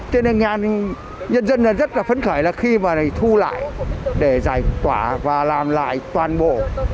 thế nên nhà nhân dân rất là phấn khởi là khi mà này thu lại để giải quả và làm lại toàn bộ